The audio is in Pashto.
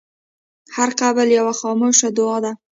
هر قبر یوه خاموشه دعا ده.